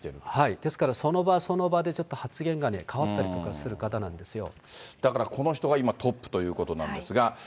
ですからその場その場でちょっと発言が変わったりとかする方だからこの人が今トップということなんですが。